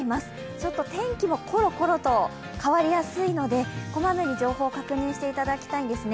ちょっと天気もコロコロと変わりやすいのでこまめに情報を確認していただきたいんですね。